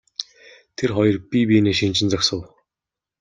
Тэр хоёр бие биенээ шинжин зогсов.